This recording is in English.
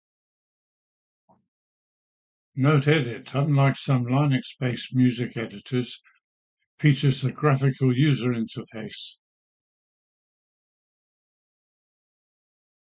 NoteEdit, unlike some Linux-based music editors, features a graphical user interface.